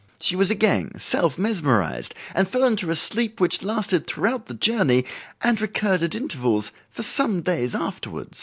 She was again self mesmerized, and fell into a sleep which lasted throughout the journey, and recurred at intervals for some days afterward."